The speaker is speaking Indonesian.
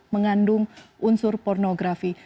mengandung unsur pornografi